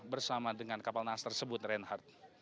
bersama dengan kapal nas tersebut reinhardt